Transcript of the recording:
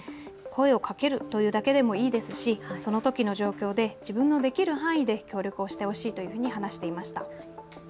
声をかけるというだけでもいいですし、そのときの状況で自分のできる範囲で協力をしてほしいと話していました。